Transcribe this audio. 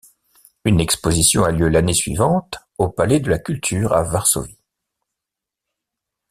Une exposition a lieu l'année suivante au Palais de la culture à Varsovie.